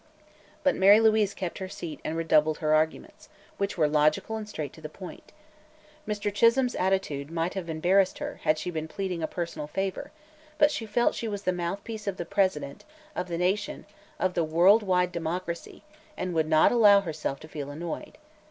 But Mary Louise kept her seat and redoubled her arguments, which were logical and straight to the point. Mr. Chisholme's attitude might have embarrassed her had she been pleading a personal favor, but she felt she was the mouthpiece of the President, of the Nation, of worldwide democracy, and would not allow herself to feel annoyed.